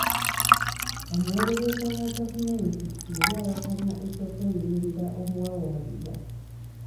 Omuwolereza wa gavumenti yali awakanya eky'okweyimirira omuwawaabirwa.